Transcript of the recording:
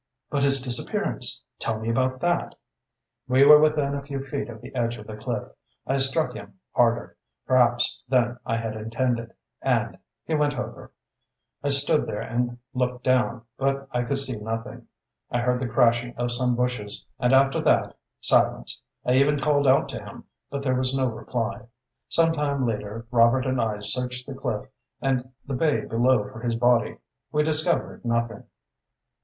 "But his disappearance tell me about that?" "We were within a few feet of the edge of the cliff. I struck him harder, Perhaps, than I had intended, and he went over. I stood there and hooked down, but I could see nothing. I heard the crashing of some bushes, and after that silence. I even called out to him, but there was no reply. Some time later, Robert and I searched the cliff and the bay below for his body. We discovered nothing."